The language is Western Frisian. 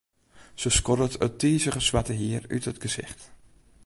Se skoddet it tizige swarte hier út it gesicht.